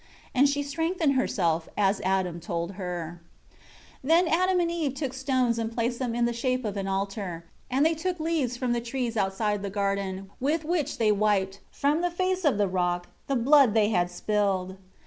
And she strengthened herself, as Adam told her. 4 Then Adam and Eve took stones and placed them in the shape of an altar; and they took leaves from the trees outside the garden, with which they wiped, from the face of the rock, the blood they had spilled.